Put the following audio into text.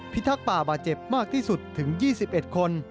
ทักษ์ป่าบาดเจ็บมากที่สุดถึง๒๑คน